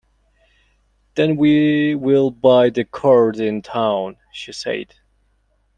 "Then we will buy the cord in town," she said.